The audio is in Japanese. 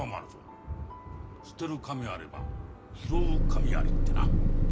「捨てる神あれば拾う神あり」ってな。